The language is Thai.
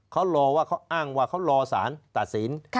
เขารอว่าเขาอ้างว่าเขารอสารตัดสิน